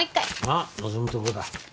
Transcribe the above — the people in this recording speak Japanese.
ああ望むところだ。